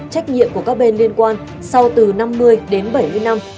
trách nhiệm của các bên liên quan sau từ năm mươi đến bảy mươi năm